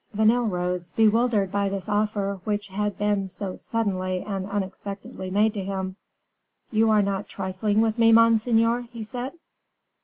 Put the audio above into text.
Vanel rose, bewildered by this offer which had been so suddenly and unexpectedly made to him. "You are not trifling with me, monseigneur?" he said.